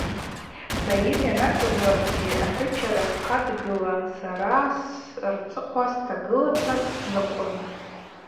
Сайыт йанакӏвызлакӏгьи ахӏвыча рапхъа дгылан, сара рцӏыхъва стагылата сныкъвун.